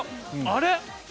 あれ？